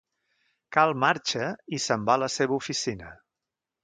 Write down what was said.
Cal marxa i se'n va a la seva oficina.